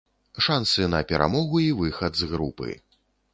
Шансы на перамогу і выхад з групы.